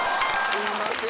・すいません。